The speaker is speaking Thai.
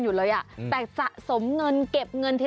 โอ้โฮเก่งมากแล้วอันนี้เก็บเองเลยเหรอ